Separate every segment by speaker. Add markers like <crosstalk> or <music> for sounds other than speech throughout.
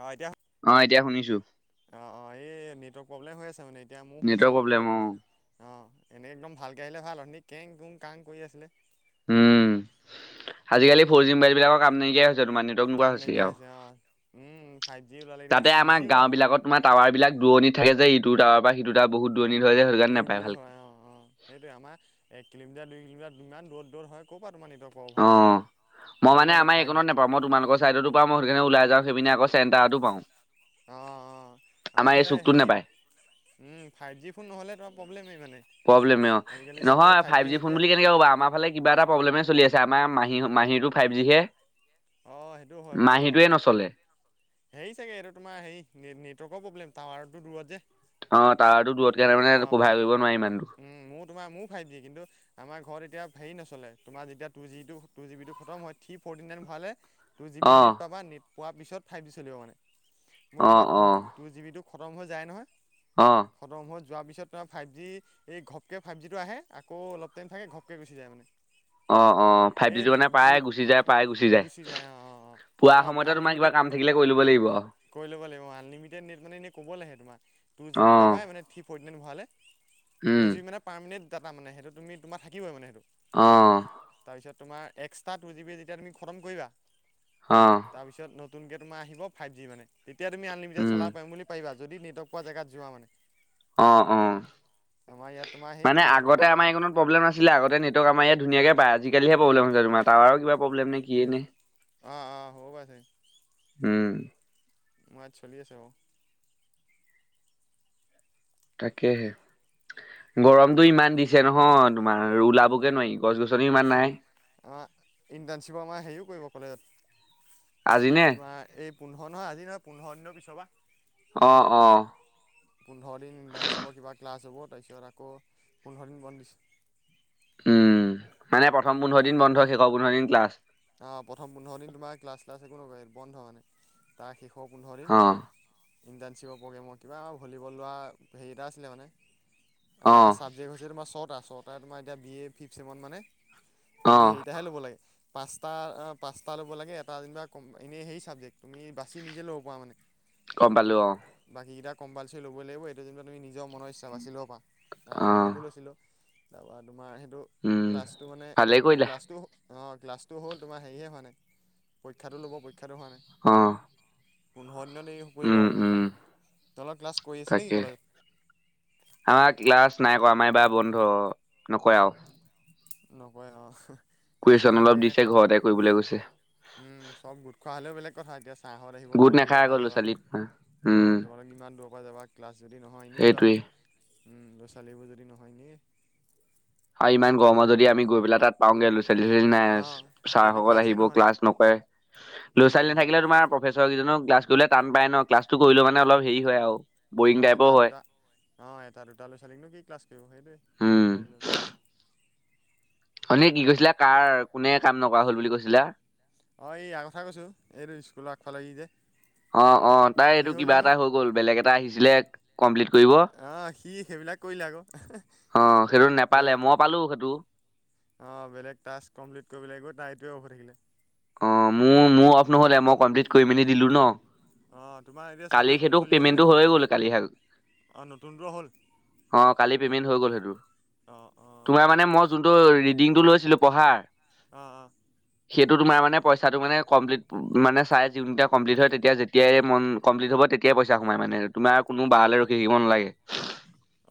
Speaker 1: অ এতিয়া
Speaker 2: এতিয়া শুনিছো
Speaker 1: অ অ এই নেটৱৰ্ক প্ৰব্লেম হৈ আছে মানে এতিয়া ময় শুনিছোঁ
Speaker 2: নেটৱৰ্ক
Speaker 1: বাৰু
Speaker 2: প্ৰব্লেম অ
Speaker 1: নেটত অ এনেই একদম ভালকৈ আহিলে ভাল হয় এনেই কেং কুং কাং কৰি আছিলে
Speaker 2: উম আজিকালি ফৰ জি মোবাইল বিলাকৰ কাম নাইকিয়া হৈ তোমাৰ নেটৱৰ্ক নোোৱা
Speaker 1: কাম
Speaker 2: হৈছে
Speaker 1: নাইকিয়া
Speaker 2: আৰু
Speaker 1: অ উম ফাইভ জি ওলালে এতিয়া
Speaker 2: তাতে
Speaker 1: ছিক্স
Speaker 2: আমাৰ
Speaker 1: জি
Speaker 2: গাঁও
Speaker 1: ওলাব।
Speaker 2: বিলাকত তোমাৰ টাৱাৰ বিলাক দূৰণিত থাকে যে এইটো টাৱাৰ বা সিটো তটা বহুত দূৰণিত হয় যে সেইটো কাৰণে
Speaker 1: দূৰ
Speaker 2: নাপায়
Speaker 1: দূৰ
Speaker 2: ভালকে
Speaker 1: হয় অ অ সেইটোয়ে আমাৰ এক কিলোমিটাৰ দুই কিলোমিটাৰ ইমান দৌৰ দৌৰ হয় ক'বা তাৰ
Speaker 2: অ মই মানে আমাৰ
Speaker 1: ফাইভ জি
Speaker 2: এইকণত নাপাওঁ মই তোমালোকৰ চাইডতো পৰাা মই সেই কাৰণে ওলাই যাওঁ সেই পিনে আকৌ চেণ্টাো পাও
Speaker 1: অ অ আমাৰফালে
Speaker 2: নাপায়
Speaker 1: হেৰি ফাইভ জি ফোন নহ'লে তো প্ৰব্লেমেই মানে
Speaker 2: প্ৰব্লেমে অ
Speaker 1: আজিকালি চবৰে
Speaker 2: নহয়
Speaker 1: ফাইভ জি
Speaker 2: ফোন
Speaker 1: হ'লে
Speaker 2: বুলি কেনেকে ক'বা আমাৰ ফালে কিবা এটা প্ৰব্লেমে চলি আছে আমাৰ মাহী মাহী টো ফাইভ জি হে
Speaker 1: অ সেইটোও হয় বাৰু অ হেৰি চাগে এইটো তোমাৰ হেৰি নেটৱৰ্কৰ প্ৰব্লেম টাৱাৰটো দূৰত যে
Speaker 2: অ টাৱাৰটো দূৰত কাৰণে মানে
Speaker 1: অ
Speaker 2: কভাৰ কৰিব
Speaker 1: তাই
Speaker 2: নোৱাৰি ইমানটো
Speaker 1: উম মোৰ তোমাৰ মোৰ ফাই দিয়ে কিন্তু আমাৰ ঘৰত এতিয়া হেৰি নচলে তোমাৰ যেতিয়া টু জিটো টু জি বিটো খম হয় থ্ৰী ফ'ৰ্টি নাইন ভাললে টু জিব বি
Speaker 2: অ
Speaker 1: নেট পাবা নেট পোৱাৰ পিছত ফাইভ জি চলিব মানে মোৰ
Speaker 2: অ
Speaker 1: তোমাৰ
Speaker 2: অ
Speaker 1: টু জি বি োক খতম হৈ যায়
Speaker 2: অ
Speaker 1: নহয় খতম হৈ যোৱাৰ পিছত তোমাৰ ফাইভ জি এই ঘপকৈ ফাইভ জিটো আহে আকৌ অলপ টাইম থাকে ঘপকৈ গুচি যায় মানে
Speaker 2: অ অ ফাইভ জিটো মানে প্ৰায় গুচি যায় প্ৰায় গুচি যায়
Speaker 1: অ অ অ তোমাৰ আনলিমিটেড
Speaker 2: দিব
Speaker 1: কৰি ল'ব লাগিব আলিমিটেড নেট মানে এই ক'বলৈ আহে তমাৰ টু জি জিবি
Speaker 2: অ',
Speaker 1: পাবাই মানে থ্ৰী ফ'ৰ্টি নাইন ভৰাাললে টু
Speaker 2: উম,
Speaker 1: জি মানে পাৰ্মেণ্ট ডাটা মানে সেইটো তুমি তোমাৰ থাকিবই মানে সেইটো
Speaker 2: অ',
Speaker 1: তাৰপিছত তোমাৰ এক্সট্ৰা টু জি বি যেতিয়া তুমি খতম কৰিবা
Speaker 2: অ',
Speaker 1: তাৰপিছত নতুনকৈ তোম আহিবাইভ জি মানে তেতিয়া তুি আনলিমিে
Speaker 2: উম,
Speaker 1: চলাব পিম পাৰিব যদি নেটৰ্ক পোৱা জোত য মানে
Speaker 2: আহ আহ
Speaker 1: আমাৰ ইয়াত তোমাৰ সেই
Speaker 2: মানে আগতে
Speaker 1: নেটৱৰ্কেই
Speaker 2: আমাৰ
Speaker 1: নাপায়
Speaker 2: এইণত প্ৰব্লেম নাছিলে আগতে নেটৱৰ্ক আমাৰ ইয়াত ধুনীয়াকে পায় আজি প্ৰব্লেম হৈছে তোমাৰ টায়াৰৰ প্ৰব্লেম নাই কি
Speaker 1: বুলি
Speaker 2: ন
Speaker 1: অঁ অঁ হ'ব পাৰে
Speaker 2: উম
Speaker 1: মাত চলি আছে বাৰ
Speaker 2: তাকেহে গৰমতটো ইমান দিছে নহয় তোমাৰ ওলাবকে নোৱাৰিম
Speaker 1: আমাৰ ইণ্টাৰ্ণশ্বিপৰ আমাৰ হেৰিও কৰিব কলে
Speaker 2: আজি নে?
Speaker 1: তোমাৰ এই পোন্ধৰ নহয় আজি নহয় পোন্ধৰ দিনৰ পিছৰ পৰা
Speaker 2: অ অ
Speaker 1: পোন্ধৰ দিন ইণ্টাৰ্ণশ্বিপৰ কিবা ক্লাছ হ'ব তাৰপিছত আকৌ পোন্ধৰ দিন বধ দিছে
Speaker 2: উম মানে প্ৰথম পোন্ধৰ দিন বন্ধ শেষৰ পোন্ধৰ দিন ক্লাছ
Speaker 1: অ প্ৰথম পোন্ধৰ দিন তোমাৰ ক্লাছ চ্লাছ একো নকয় বন্ধ মানে তাৰ শেষত স পলধৰিন
Speaker 2: অ',
Speaker 1: ইণ্টাৰ্ণশ্বিপৰ প্ৰগ্ৰেমৰ কিবা আৰু ভলীবল লোৱা হেৰি এটা আছিলে মানে আমাৰ
Speaker 2: অ',
Speaker 1: ছাব্জেক্ট হৈছে তোম ছটা ছটা তোমাৰ এতিয়া বি এ ফিফ চছেন মানে তুমি
Speaker 2: অ',
Speaker 1: সেইৰিটাহে ল'ব লাগে পাঁচটা পাঁচটা ল'ব লাগে এটা যেনিবা এনেই হে চাবজেক্ট তুমি বাচি নিজে ল'ব পৰা মানে
Speaker 2: গম পালো অ
Speaker 1: যকেইটা কম্পালচৰিী ল'বই লাগিব এইটো যন্তটোু তুমি নিজৰ মনৰ ইচ্ছা বাছিলিলও প পৰাা ত মই
Speaker 2: অ'।
Speaker 1: সেইটো লৈছিলোঁ তাৰপৰা তোমাৰ সেইটো
Speaker 2: উম
Speaker 1: ক্লাছটো মানে
Speaker 2: ভালেই কৰিলা
Speaker 1: গ্লাছটো অ গ্লাছ টো হ'ল তমাৰ হেৰিয়ে হোৱা নাই পৰীক্ষাতটো ল'ব পৰক্ষাাতো হোৱাাই
Speaker 2: আহ
Speaker 1: পো <unintelligible> তহঁতৰ ক্লাছ কৰি আছে নেকি
Speaker 2: তাকে আমাৰ
Speaker 1: কলেজত?
Speaker 2: ক্লাছ নাই কৰা আমাৰ এইবাৰ বন্ধ নকৰে আৰু।
Speaker 1: নকৰে অ'। এ,
Speaker 2: কুৱেশচন
Speaker 1: চব
Speaker 2: অলপ
Speaker 1: গোটেই
Speaker 2: দিছে
Speaker 1: নাখাইজে
Speaker 2: ঘৰতে কৰিবলৈ গৈছে
Speaker 1: উম, চব গোট খোৱা হ'লেও বেলেগ কথা এতিয়া। ছাৰহঁত আহিব
Speaker 2: গোট
Speaker 1: তোমালোক ইয়াৰ
Speaker 2: নেখাই
Speaker 1: পৰা
Speaker 2: ল'ৰা
Speaker 1: যাবা
Speaker 2: ছোৱালী হম।
Speaker 1: অ', তোমালোকে ইমান দূৰৰ পৰা যাবা ক্লাছ যদি নহয় এনেই যোৱা
Speaker 2: সেইটোৱে
Speaker 1: হয় উম। ল'ৰা ছোৱালী যদি নহয় এনে।
Speaker 2: আৰু ইমান গৰম যদি আমি গৈ পেলাই তাত পাওঁ গে ল'ৰা ছোৱালী। নাই
Speaker 1: অঁ যদি
Speaker 2: ছাৰসকল
Speaker 1: ক্লাছেই
Speaker 2: আহিব
Speaker 1: নহয়
Speaker 2: ক্লাছ নকৰে। ল'ৰা
Speaker 1: উম
Speaker 2: ছোৱালীা
Speaker 1: উম
Speaker 2: থাকিলে তোমাৰ প্ৰফেচৰ কেইজনো ক্লাছ কৰিলে টান পায় ন, ক্লাছটো কৰিলো মানে অলপ হেৰি হয় আৰু। বৰিং
Speaker 1: অ',
Speaker 2: টাইপৰ
Speaker 1: এটা
Speaker 2: হয়
Speaker 1: দুটা অ', এটা দুটা লৈ ছোৱালীক নো কি ক্লাছ সেইটোৱে
Speaker 2: উম
Speaker 1: প্ৰব্লেমটো।
Speaker 2: উঠনী কি কৈছিলা, কাৰ কোনে কাম নকৰা হল বুলি কৈছিলা?
Speaker 1: অ', এই ইয়াৰ কথা কৈছোঁ, এইটো স্কুল আগ ফালে ই যে।
Speaker 2: অ', অ'তাই
Speaker 1: কি
Speaker 2: এইটো
Speaker 1: হ'ল
Speaker 2: কিবা
Speaker 1: জানো
Speaker 2: এটা হৈ গ'ল বেলেগ এটা আহিছিলে। কমপ্লিট কৰিব
Speaker 1: অ', সি সেইবিলাক কৰিলে আকৌ
Speaker 2: অ সেইটো নেপালে
Speaker 1: বেলেগ।
Speaker 2: মই পালো সেইটো
Speaker 1: অ', বেলেগ টাস্ক কমপ্লিট কৰিব গৈ তাৰ এইটোৱে অফ হৈ থাকিলে।
Speaker 2: অ', মোৰ, মোৰ অফ নহ'লে মই কমপ্লিট কৰি মেলি দিলোঁ ন।
Speaker 1: অঁ তোমাৰ এতিয়া
Speaker 2: কালি সেইটো পেমেন্টটো হৈয়ে গ'ল কালি।
Speaker 1: আৰু নতুনবোৰ হ'ল।
Speaker 2: অ', কালি পেমেন্ট হৈ গ'ল সেইটো
Speaker 1: অঁ অঁ
Speaker 2: তোমাৰ মানে মই যোনটো ৰি দিংটো লৈছিলোঁ পঢ়াৰ।
Speaker 1: অ', অ'।
Speaker 2: সেইটো তোমাৰ মানে পইচাটো মানে কমপ্লিট মানে চাই যোনতিটা কমপ্লিট হয়, তেতিয়া যেতিয়াই কমম্লিট হ'ব তেতিয়া পইচা সোমাই মানে তোমাৰ কোনো বাৰলৈ ৰখি থাকিব নালাগে।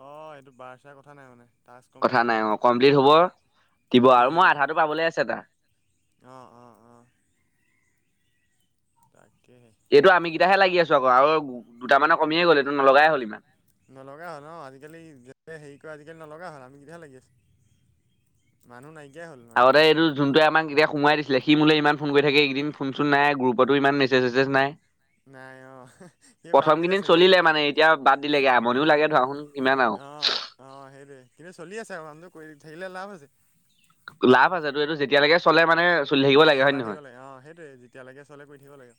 Speaker 1: অ', এইটো বাৰ চাৰ কথা নাই মানে। টাস্ক কমপ্লিট
Speaker 2: কথা
Speaker 1: হ'ব
Speaker 2: নাই অ', কমপ্লিট হব দিব আৰু মই আধাটো পাবলৈ আছে তাৰ।
Speaker 1: অ', অ', অ'। <unintelligible>
Speaker 2: এইটো আমি কেইটাহে লাগি আছোঁ আকৌ আৰু। দুটামানৰ কমিয়ে গ'ল এইটো নলগাই হ'ল ইমান।
Speaker 1: নলগা হ'ল ন আজিকালি যে হেৰি কৰা আজিকালি নলগা হ'ল আমি। বেয়া লাগিল মানুহ নাই।
Speaker 2: আগতে এইটো যোনটোৱে আমাক এতিয়া সোমাই দিছিলে, সি মোলে ইমান ফোন কৰি থাকে এইকেদিন ফোন চোন নাই গ্ৰুপতো ইমান মেছেজ চেছেজ নাই।
Speaker 1: নাই অ', সি বাদ
Speaker 2: প্ৰথম
Speaker 1: দিলে
Speaker 2: কেইদিন
Speaker 1: চাগে?
Speaker 2: চলিলে মানে এতিয়া বাদ দিলেগে আমনিও লাগে ধৰা চোন ইমান আৰু।
Speaker 1: অঁ অঁ সেইটোৱে কিন্তু চলি আছে আৰু কামটো কৰি থাকিলে লাভ আছে।
Speaker 2: লাভ আছেতো এইটো যেতিয়ালৈকে চলে মানে। চলি থাকিব লাগে হয়
Speaker 1: চলাই
Speaker 2: নে
Speaker 1: থাকিব
Speaker 2: নহয়?
Speaker 1: লাগে অ', সেইটোৱে যেতিয়াালৈকে চলে কৰি থাকিব লাগে।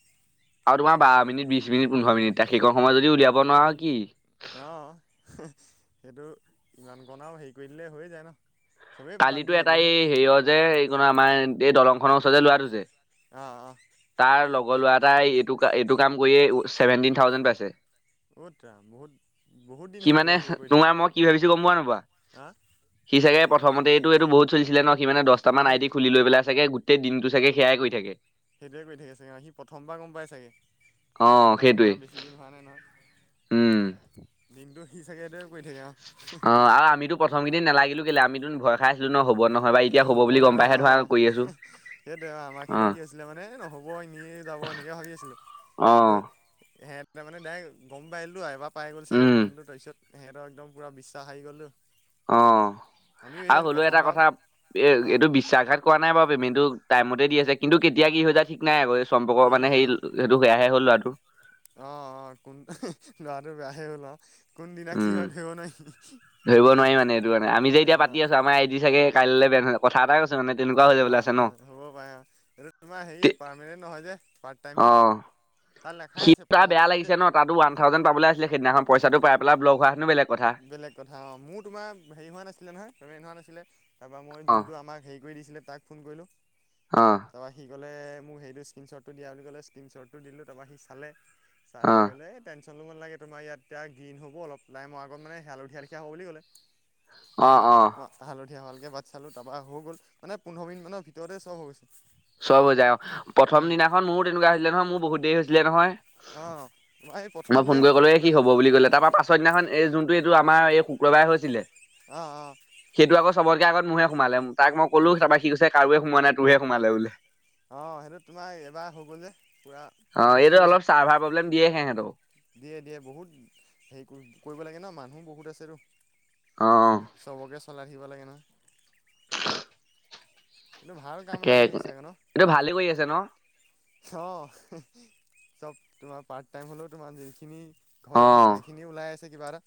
Speaker 2: আৰু তোমাৰ বাৰ মিনিট, বিশ মিনিট, পোন্ধৰ মিনিট, এটা সেইকণ সময়ত যদি উলিয়াব নোৱাৰা কি।
Speaker 1: অ', সেইটো ইমান কণ আৰু হেৰি কৰি দিলে হৈয়ে যায় ন। চবেই বাদ
Speaker 2: কালিতো
Speaker 1: দিলে
Speaker 2: এটাই
Speaker 1: বহুত
Speaker 2: হেৰিয় যে এই কো আমাৰ এই দলংখনৰ ওচৰতে লোৱাটো যে।
Speaker 1: অ অ
Speaker 2: তাৰ লগ ল তাই এইটো এইটো কাম কৰিয়ে ছেভেনটিন থাউজেণ্ড পাইছে।
Speaker 1: অ', দা বহুত বহুত দিন
Speaker 2: সি
Speaker 1: হ'ল
Speaker 2: মানে
Speaker 1: দা সিয় কৰি থোৱা
Speaker 2: তোমাৰ মই কি ভাবিছো গম পোৱা নোপোৱা?
Speaker 1: হা!
Speaker 2: সি চাগে। প্ৰথমতে এইটো, এইটো বহুত চলিছিলে ন সিমানে দহটা
Speaker 1: অ
Speaker 2: মান
Speaker 1: সি
Speaker 2: আইটি খুলি লৈ চাগে, গোটেই দিনটো চাগে সেয়াই কৰি থাকে।
Speaker 1: সেইটোৱে কৰি থাকে চাগে সি প্ৰথমবাৰ গম পাই চাগে।
Speaker 2: অ'
Speaker 1: আমাৰ তোমাৰ
Speaker 2: সেইটোৱে
Speaker 1: বেছি দিন হোৱা নাই নহয়,
Speaker 2: উম
Speaker 1: দিনটো সি চাগে কৰি থাকে অ
Speaker 2: অ', আৰু আমিতো প্ৰথম কেইদিন নালাগিলোঁ কেলে আমিতো ভয় খাই আছিলো ন হ'ব নহ'ব।
Speaker 1: এ হ'বনে নহয় অ', সেইটোৱেই আমাৰ খিনি
Speaker 2: অ'
Speaker 1: কি আছিলে মানে নহ'ব এনেই যাব। মই এনেকৈ ভাবি আছিলোঁ কিন্তু
Speaker 2: অ'
Speaker 1: এহেত মানে ডাইৰেক্ট গম পাইল এইবাৰ পাই গ'ল চাগেটো
Speaker 2: উম
Speaker 1: তাৰপিত সিহঁতক একম পুৰা বিশ্বাস আহ গ'ল
Speaker 2: অ', আৰু হ'লেও এটা
Speaker 1: প্ৰথমবাৰ
Speaker 2: কথা এ
Speaker 1: অ
Speaker 2: এইটো বিশ্বাসঘাত কৰা নাই বাৰু পেমেনটো টাইমতে দি আছে কিন্তু কেতিয়া কি হৈ যায় ঠিক নাই আকৌ চম্পকৰ
Speaker 1: ঠিক
Speaker 2: মানে
Speaker 1: নাই
Speaker 2: সেই
Speaker 1: অ',
Speaker 2: সেইটো সেয়াহে হ'ল ল'ৰাটো
Speaker 1: অ', অ', <inaudible> লৰাটো বেয়া। <unintelligible>
Speaker 2: উম, ধৰিব নোৱাৰি মানে এইটো কাৰানে আমি যে এতিয়া
Speaker 1: অ
Speaker 2: পাতি আছো আমাৰ আইদি চাগে কাইলৈ বেন হৈ কথা এটা মানে তেনেকুৱা হৈ
Speaker 1: অ',
Speaker 2: যাবলৈ আছে ন
Speaker 1: অ', হ'ব পাৰে অ', তোমাৰ
Speaker 2: তে
Speaker 1: হেৰিয়ে পাৰমানেণ্ট নহয় যে পাৰ্ট টাইমহে
Speaker 2: অ',
Speaker 1: তাত লেখাই
Speaker 2: সি
Speaker 1: আছে
Speaker 2: টা
Speaker 1: প্ৰথমতে
Speaker 2: বেয়া
Speaker 1: তুমি যে
Speaker 2: লাগিছে ন তাতো ওৱান থাউজেণ্ড পাবলৈ আছিলে সেইদিনাখন পইচাটো পাই পাই পেলাই ব্লগ হোৱা হেঁতেনো বেলেগ কথা
Speaker 1: বেলেগ কথা অ', মোৰ তোমাৰ হেৰি হোৱা নাছিলে নহয় পেমেণ্ট হোৱা নাছিলে তাৰপৰা মই
Speaker 2: অ
Speaker 1: যোনটো আমাক হেৰি কৰি দিছিলে তাক ফোন কৰিলোঁ।
Speaker 2: অ।
Speaker 1: তাৰপৰা সি 'কলে মোক সেইটো স্ক্ৰীণশ্বটটো দিয়া বুলি ক'লে স্ক্ৰীণশ্বটটো দিলো তাৰপৰা সি চালে চাই
Speaker 2: অ
Speaker 1: পেলাই গ'লে এই টেনস লাগে তোমাৰ ইয়াততিয়া গ্ৰীণ হ'ব অলপ লাইমৰ আগত মানে হালধীয়াাল লিিয়া হ'ব বুলি ক'লে।
Speaker 2: অ
Speaker 1: তাৰপিছত
Speaker 2: অ
Speaker 1: হালধীয়া হোৱা লেকে বাট চালো তাৰৰা হৈ গ'ল মানে পোন্ধৰ দিন মানৰ ভিতৰতে সব হৈ গৈছে।
Speaker 2: চব বজাই অ প্ৰথম
Speaker 1: উম
Speaker 2: দিনাখন মোৰো তেনেকুৱা হৈছিলে নহয় মোৰ বহুত দেৰি হৈছিলে নহয়।
Speaker 1: অঁ তোমাৰ এই প্ৰথম
Speaker 2: মই ফোন
Speaker 1: যে
Speaker 2: কৰি ক'লো এ
Speaker 1: সেইটো
Speaker 2: কি
Speaker 1: কাৰণে
Speaker 2: হব বুলি কলে তাৰপা পাছৰ দিনাখন এই যোনটো টো আমাৰ এই শুক্ৰবাৰে হৈছিলে,
Speaker 1: অঁ অঁ
Speaker 2: সেইটো আকৌ চবৰকে আগত মোৰহে সোমালে তাক মই কলো তাৰ পৰা সি কৈছে কাৰোৱে সোমোৱা নাই তোৰহে সোমালে বোলে।
Speaker 1: অ', সেইটো তোমাৰ এবাৰ হৈ গ'ল যে পুৰা
Speaker 2: অ এইটো
Speaker 1: ফাষ্ট গৈছে।
Speaker 2: অলপ চাৰ্ভাৰ প্ৰব্লেম দিয়ে সেঁহেতৰো
Speaker 1: দিয়ে দিয়ে বহুত হেৰি কৰিব লাগে ন মানুহ বহুত
Speaker 2: অ
Speaker 1: আছেতো। চবকে চলাই থাকিব লাগে নহয়। কিন্তু ভাল কাম
Speaker 2: তাকে,
Speaker 1: এটা কৰি আহিছে আকৌ
Speaker 2: এইটো ভালেই কৰি আছে ন?
Speaker 1: অ', চব তোমাৰ পাৰ্ট টাইম হ'লেও তোমাৰ যিখিনি ঘৰতে
Speaker 2: অ
Speaker 1: থকা সেইখিনি ওলাই আছে কিবা এটা।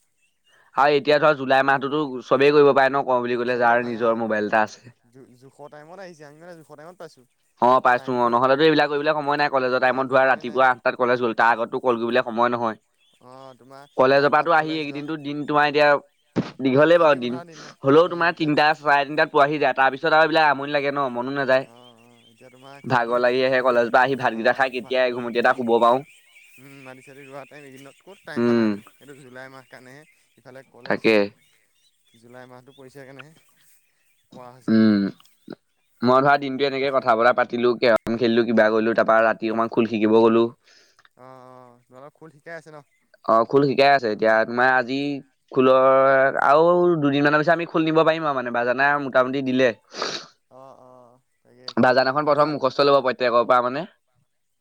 Speaker 2: আৰু এতিয়া ধৰ জুলাই মাহতুটো চবেই কৰিব পাৰে ন কওঁ বুলি ক'লে যাৰ
Speaker 1: চবেই পাই
Speaker 2: নিজৰ
Speaker 1: অ',
Speaker 2: মোবাইল এটা আছে।
Speaker 1: জো জোখৰ টাইমত আহিছে আমি মানে জোখৰ টাইমত পাইছো।
Speaker 2: অ', পাইছো মই নহলে এইবিলাক কৰিবলৈ সময় নাই কলেজৰ
Speaker 1: এই
Speaker 2: টাইমত ধোৱা
Speaker 1: সময় নাই
Speaker 2: ৰাতিপুৱা আঠটাত কলেজ গল তাৰ আগতো কল কৰিবলে সময় নহয়।
Speaker 1: অ', তুম
Speaker 2: কলেজৰ পৰাটো আহি এইকেইদিনো দিন তোমাৰ এতিয়া দীঘলেই
Speaker 1: খেতি
Speaker 2: বাৰু দিন
Speaker 1: পথাৰৰ ন
Speaker 2: হ'লেও
Speaker 1: উম,
Speaker 2: তোমাৰ
Speaker 1: এতিয়া
Speaker 2: তিটা চাৰে তিনটা পোৱাহি যায় তাৰ পিছত তাৰ পিছত এইবিলাক আমনি লাগে ন মনো নাযায়।
Speaker 1: যেতিয়া তোমাৰ খেতি
Speaker 2: ভাগৰ লাগি আহে
Speaker 1: খেতি
Speaker 2: কলেজৰ পৰা আহি ভাতকেইটা খাই কেতিয়া এঘুমুটি এটা শুব
Speaker 1: <unintelligible>
Speaker 2: পাৰো
Speaker 1: উম, মাটি চি ৰোৱা টাইম এদিনত কত টাইম
Speaker 2: উম।
Speaker 1: পালাহেতেন এইটো জুলাই মাহ কাৰণেহে। ইফালে কলেজ
Speaker 2: তাকে
Speaker 1: জুলাই মাহটো পৰিছেকাৰনেহে। পোৱা হৈছে।
Speaker 2: উম মই ধৰা দিনটো এনেকে কথা বতা পাতিলো কেৰম খেলিলো কিবা কৰিলো তাৰপ পৰা ৰাতি অকণমান খুল শিকিব গ'লো।
Speaker 1: অ', অ', তোমালোকৰ খোল শিকাই আছে ন?
Speaker 2: অ', খোল শিকাই আছে এতিয়া তোমাৰ আজি খোলৰ আৰু দুদিন মানৰ পিছত আমি খুল নিব দিব পাৰিম আৰু মানে বাজানে মোটামুটি দিলে।
Speaker 1: অ', অ'। তাকে খোল
Speaker 2: বাজান এখন প্ৰথম
Speaker 1: নিজৰ
Speaker 2: মুখস্থ ল'ব প্ৰত্যেকৰ পৰা মানে।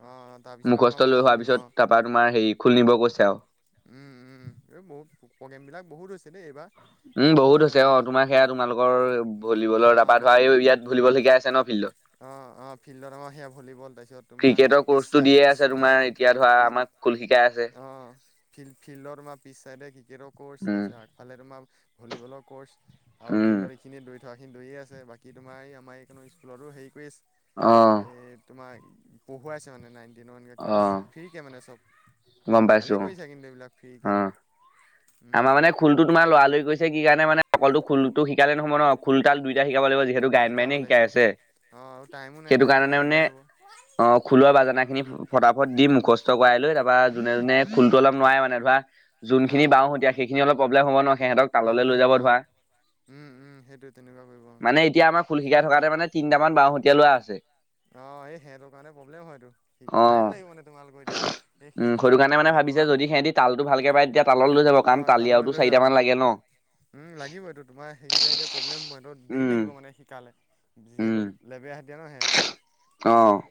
Speaker 1: অ' তাৰপিছতে তোমাৰ
Speaker 2: মুখস্থ লৈ
Speaker 1: বজাব
Speaker 2: হোৱাৰ
Speaker 1: লাগিব
Speaker 2: পিছত
Speaker 1: অ'
Speaker 2: তাৰাপা তোমাৰ হেৰি খুলনিব কৈছে আৰু।
Speaker 1: উম, উম, এই বহুত প্ৰগ্ৰেম বিলাক বহুত হৈছে দেই এইবাৰ।
Speaker 2: উম, বহুত আ হৈছে অ তোমাৰ সেয়া তোমালোকৰ ভলীবলৰ তপা ধৰা ইয়াত ভলীবল শিকাই আছে ন ফিল্ডত।
Speaker 1: অ', অ', ফিল্ডত আমাৰ সেয়া ভলীবল তাৰপিছত তোমাৰ পিছ পিছ অ
Speaker 2: বা আমাক স্কুল শি
Speaker 1: অ', ফি-ফিল্ডৰ তোমাৰম পিছ চাইড ক্ৰিকেটৰ ক'ৰচ
Speaker 2: উম
Speaker 1: পাইছা আগফালে তোমাৰ ভলীবলৰ কৰ্চ আৰু
Speaker 2: উম
Speaker 1: ফিল্ডৰ এইখিনি দৰি যোৱাখিনি দৌৰিয়ে আছে। বাকী তোমাৰ এই আমাৰ এই কোনো স্কুলতো হেৰি কৰি
Speaker 2: অ
Speaker 1: এই তোমাৰ পঢ়ুৱাইছে মানে নাইন টেইনৰ এনেকে
Speaker 2: অ
Speaker 1: ক্লাছ ফ্ৰী কে মানে চব
Speaker 2: গম
Speaker 1: ভালে
Speaker 2: পাইছো
Speaker 1: কৰিছা কিন্তু এইবিলাক। ফ্ৰীকে।
Speaker 2: অ
Speaker 1: উম
Speaker 2: আমাৰ মানে খুলটো তোমাৰ লৰালৰি কৈছে কি কাৰণে মানে অকলটো খুলযটো শিকালে নহ'ব ন খোল তাল দুইটা শিকা শিকাব লাগিব যিহেতু গায়ন
Speaker 1: শিকাব
Speaker 2: বায়নে
Speaker 1: লাগিব
Speaker 2: শিকাই আছে।
Speaker 1: অঁ আৰু টাইমো নাই
Speaker 2: সেইটো
Speaker 1: নহয় ইফালে
Speaker 2: কাৰণে মানে
Speaker 1: এদাই হ'ব
Speaker 2: অ' খোলৰ বাজানাখিনি ফটাফট দি মুখস্থ কৰাই লৈ তাৰ পৰা যোনে যোনে খোলটো অলপ নোৱাৰে মানে ধৰা যোনখিনি
Speaker 1: অঁ
Speaker 2: বাওঁ অলপ প্ৰব্লেম হ'ব ন।
Speaker 1: প্ৰব্লেম
Speaker 2: যাব ধৰা
Speaker 1: হ'ব সেইটো তেনেকুৱা
Speaker 2: মানে এতিয়া
Speaker 1: কৰিব।
Speaker 2: আমাৰ খোল শিকাই থকাতে মানে তিনিটামান বাওঁহতীয়া লোৱা আছে।
Speaker 1: অহ। হয়, সিহঁতৰ কাৰণে প্ৰব্লেম হয়তো
Speaker 2: অ
Speaker 1: টাইম লাগিব নে তোমালোকৰ এতিয়া। এই
Speaker 2: উম সেইটো
Speaker 1: সেইকেইটাক
Speaker 2: কাৰণে মানে ভাবিছে
Speaker 1: বনোৱা
Speaker 2: যদি সিহঁতি তালটো ভালকে পাই তেতিয়া তালত লৈ যাব। কাৰণ
Speaker 1: অ তাললৈ
Speaker 2: তালিয়াওটো
Speaker 1: লৈ
Speaker 2: চাৰিটা
Speaker 1: যাব
Speaker 2: মান লাগে ন।
Speaker 1: উম, লাগিব এইটো তোমাৰ সেইকেইটা এতিয়া প্ৰব্লেম হয় ন দেৰি
Speaker 2: উম
Speaker 1: লাগিব মানে শিকালে। যিহেতু
Speaker 2: উম
Speaker 1: লেবেৰা হাতিয়া ন সেহেঁত।
Speaker 2: অ'।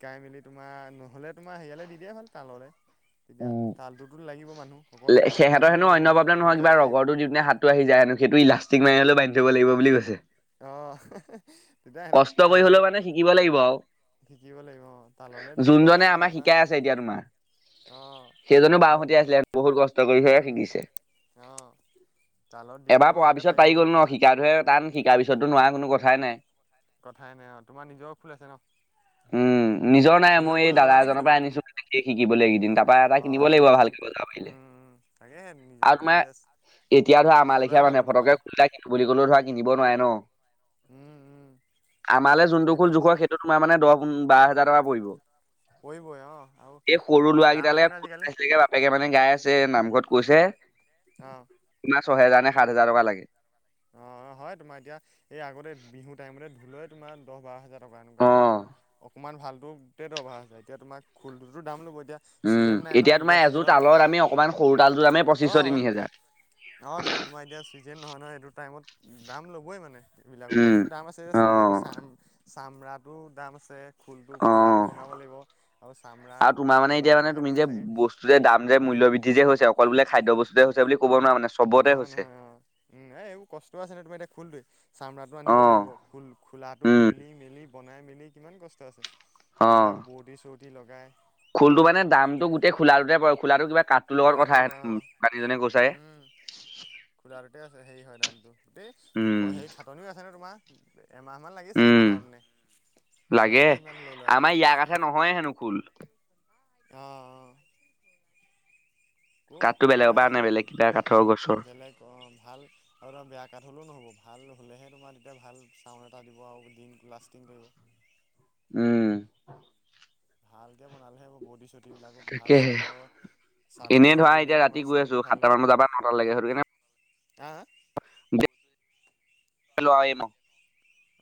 Speaker 1: শিকাই মেলি তোমাৰ নহ'লে তোমাৰ হেৰিয়ালৈ দি দিয়ে ভাল তাললৈ তেতিয়া তালটোতো লাগিব মানুহ। অকল এটাত
Speaker 2: সিহঁতৰ
Speaker 1: হ'লে
Speaker 2: হেনো
Speaker 1: নহ'ব
Speaker 2: অন্য প্ৰব্লেম নহয় কিবা
Speaker 1: দুইটাতে লাগিব
Speaker 2: ৰগৰটো দিওঁতে হেো হাতটো আহি যায় হেনো। সেইটো ইল প্লাষ্টিক মাৰলেও এডালে বান্ধি থ'ব লাগিব বুলি কৈছে।
Speaker 1: অহ <unintelligible>
Speaker 2: কষ্ট কৰি হ'লেও মানে শিকিব লাগিব আৰু।
Speaker 1: শিকিব লাগিব তাললে দি দিলেও বেয়া
Speaker 2: যোনজনে
Speaker 1: নহয়
Speaker 2: আমাক
Speaker 1: তোমাৰ।
Speaker 2: শিকাই আছে এতিয়া তোমাৰ
Speaker 1: অঁ
Speaker 2: সেইজনো বাওঁ
Speaker 1: তালত
Speaker 2: হতিয়া
Speaker 1: দি
Speaker 2: আছিলে বহুত কষ্ট কৰি হৈ
Speaker 1: উম
Speaker 2: শিকিছে।
Speaker 1: অঁ তালত দি
Speaker 2: এবাৰ
Speaker 1: দিলেও
Speaker 2: পৰাৰ
Speaker 1: সিহঁতে
Speaker 2: পিছত
Speaker 1: পাৰিব
Speaker 2: পাৰি গ'ল
Speaker 1: নহয়
Speaker 2: ন
Speaker 1: তোমাৰ
Speaker 2: শিকাটোহে টান শিকাৰ পিছততো নোৱাৰা কোনো কথাই নাই।
Speaker 1: কথাই নাই অ' তোমাৰ নিজৰ খোল আছে ন?
Speaker 2: উম নিজৰ নাই মই
Speaker 1: খোল
Speaker 2: এই
Speaker 1: ল'লা
Speaker 2: দাদা
Speaker 1: নেকি
Speaker 2: এজনৰ
Speaker 1: তুমি
Speaker 2: পৰাই আনিছো শিকিবলৈ এইকেইদিন তাৰ পৰা এটা
Speaker 1: অ অ
Speaker 2: কিনিব লাগিব
Speaker 1: এইকেইদিন
Speaker 2: ভালকে বজাব পাৰিলে।
Speaker 1: তাকে হে নিজৰ
Speaker 2: আৰু
Speaker 1: নাই
Speaker 2: তোমাৰ
Speaker 1: যে
Speaker 2: এতিয়া ধৰা আমাৰ লেখীয়া মানুহে ফটকে খোল এটা কিনো বুলি ক'লেও ধৰা কিনিব নোৱাৰে ন।
Speaker 1: উম উম
Speaker 2: আমালৈ যোনটো খোল
Speaker 1: সেইটোৱে
Speaker 2: জোখৰ সেইটো তোমাৰ মানে দহ বাৰ হোজাৰ টকা পৰিব।
Speaker 1: পৰিবই অ আৰু
Speaker 2: এই সৰু
Speaker 1: তোমাৰ
Speaker 2: ল'ৰা
Speaker 1: দাম আছে ন আজিকালি
Speaker 2: কেইটালৈকে <unintelligible> বাপেকে মানে গাই আছে। যে নামঘৰত কৈছে
Speaker 1: অ'।
Speaker 2: ছয় হাজাৰ নে সাত হাজাৰ টকা লাগে।
Speaker 1: অ', অ', হয় তোমাৰ এতিয়া এই আগতে বিহু টাইমতে ঢোলৰে তোমাৰ দহ বাৰ হাজাৰ এনেকুৱা
Speaker 2: অ
Speaker 1: ভাল অকণমান ভালটোতে <unintelligible> আছে এতিয়া তোমাৰ খোলটোতো দাম ল'বয়ে।
Speaker 2: উম, এতিয়া তোমাৰ এযোৰ তালৰ দামে অকণমান সৰু তালযোৰ দামেই পঁচিছশ তিনি হাজাৰ।
Speaker 1: অ'তো তোমাৰ এতিয়া চিজেন নহয় নহয় এইটো টাইমত দাম ল'বই মানে এইবিলাকৰ
Speaker 2: উম
Speaker 1: বস্তু দাম আছে।
Speaker 2: অ
Speaker 1: যিহেতু চাম চামৰা অ', দাম আছে। খোলটো
Speaker 2: অ
Speaker 1: খোলাটো বনাব লাগিব আৰু চামৰা
Speaker 2: আৰু
Speaker 1: গৰু
Speaker 2: তোমাৰ মানে
Speaker 1: কিবা পৰাহে বনাই চাগে।
Speaker 2: মুল্যবৃদ্ধি যে হৈছে অকল বোলে খাদ্য বস্তুই হৈছে বুলি ক'ব নোৱাৰা মানে চবতে
Speaker 1: নহয়
Speaker 2: হৈছে।
Speaker 1: নহয় অ উম, এই এইবোৰ কষ্ট আছে নহয় তোমাৰ এতিয়া খোলটোৱে চামৰাটো
Speaker 2: অ
Speaker 1: আনিব লাগিব খো-খোলাটো
Speaker 2: উম
Speaker 1: খুলি মেলি বনাই মেলি কিমান কষ্ট আছে।
Speaker 2: অ
Speaker 1: এইবিলাক বোৱৰ্টি চুৱৰ্টি লগাই।
Speaker 2: খোলটো মানে দামটো গোটে খোলাটোতে পৰে। খোলাটো কিবা কাঠটোৰ লগত কথা
Speaker 1: খোলাটোতে
Speaker 2: আহে
Speaker 1: পৰে অ'
Speaker 2: দোকানীজনে কৈছে
Speaker 1: উম খোলাটোতে আছে হেৰি হয় দামটো। দেই
Speaker 2: উম
Speaker 1: হেৰি খাটনিও আছেনে তোমাৰ? এমাহমান লাগি চাগে
Speaker 2: উম,
Speaker 1: বনাওঁতেনে সেইটো
Speaker 2: লাগে।
Speaker 1: কাৰণে সিমান ল'লোঁ আৰু
Speaker 2: আমাৰ ইয়াৰ কথাে নহয়ে, হেনো খুল।
Speaker 1: আহঁ, অ'।
Speaker 2: কাঠটো বেলেগৰ পৰা আনে বেলেগ কিবা কাঠৰ গছৰ।
Speaker 1: বেলেগ অ, ভাল আৰু ত, বেয়া কাঠ হ'লেও নহ'ব ভাল। ভাল হ'লেহে তোমাৰ তেতিয়া ভাল চাউণ্ড এটা দিব আৰু দিন লাষ্টিং কৰিব।
Speaker 2: উম।
Speaker 1: ভাল কে, বনালেহে বহুত। চুটবিলাকত ভাল
Speaker 2: তাকেহে
Speaker 1: চালৰ, চালৰ
Speaker 2: এনেই
Speaker 1: হেৰি
Speaker 2: ধৰা এতিয়া
Speaker 1: কৰিলেহে
Speaker 2: ৰাতি
Speaker 1: তোমাৰ
Speaker 2: গৈ আছো
Speaker 1: চাউণ্ডটো ভাল ল'ব।
Speaker 2: সাতটামান বজাৰ পৰা নটালৈকে সেইটো কাৰণে
Speaker 1: হা, হা?
Speaker 2: ল, আই ন।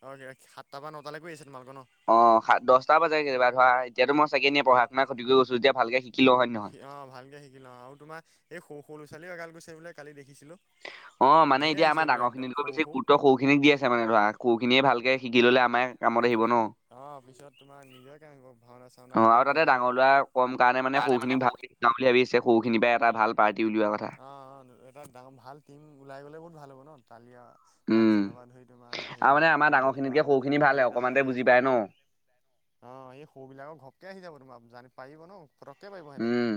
Speaker 1: অ, সাতটা বা নটালৈ গৈ আছে। তোমালোকৰ ন
Speaker 2: অ, স, দহটা বজ কেতিাবা ধৰা এতিয়া মই ছেকেড ইয়ে পঢ়া, শুনা খতি কৰিছো। এতিয়া ভালকে শিকো।
Speaker 1: অ, ভালকে শিকিলো অ, আৰু তোমাৰ এই সৰু, সৰু' ছোৱালী এাল গৈছে বোলে কালি দেখিছিলো।
Speaker 2: অ, মানে এতিয়া আমাৰাঙৰ খিনিতকৈ বেছি গুৰুত সৰু খিনিক দি আছে মানে ধৰা সৰু খিনিয়ে ভালকে। শিকি ল'লে আমাৰ কামত। আহিব ন।
Speaker 1: অ, পিছত তোমাৰ নিজৰেকে ভাওনা চাওনা
Speaker 2: অ, আৰু
Speaker 1: ক'ৰবাত
Speaker 2: তাতে
Speaker 1: বজাব
Speaker 2: ডাঙৰ
Speaker 1: পাৰিব। অ',
Speaker 2: ল'ৰা কম কাৰণে মানে সৰু খিনিক ভালকাম বুলি ভাবিছে সৰুখিনিৰ পৰাই এটা ভাল পাৰ্টি উলিওৱা কথা।
Speaker 1: অ', অ', এটা ডাঙৰ ভাল টিম ওলাই গলে বহুত ভাল হ'ব ন, তালিয়া।
Speaker 2: উম
Speaker 1: তাল চালাবা ধৰি তোমাৰ
Speaker 2: আৰু
Speaker 1: সেই
Speaker 2: মানে আমাৰ
Speaker 1: ঘোল
Speaker 2: ডাঙৰ
Speaker 1: বজোৱা
Speaker 2: খিনিতকে
Speaker 1: আৰু
Speaker 2: সৰুখিনি
Speaker 1: যদি
Speaker 2: ভালহে
Speaker 1: পাৰ্টি এটা
Speaker 2: অকমানতে
Speaker 1: ওলাই যায়।
Speaker 2: বুজি
Speaker 1: অ,
Speaker 2: পায় ন।
Speaker 1: এই সৰু বিলাকৰ ঘৰকে আহি যাব তোমাৰান পাৰিব ন, পটককে পাৰিব সিহতে।
Speaker 2: উম।